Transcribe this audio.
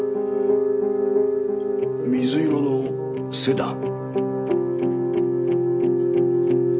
水色のセダン。